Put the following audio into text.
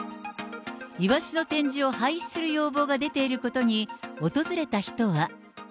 イワシの展示を廃止する要望が出ていることに、訪れた人は。